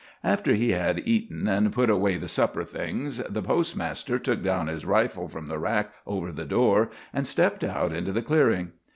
After he had eaten, and put away the supper things, the postmaster took down his rifle from the rack over the door, and stepped out into the clearing.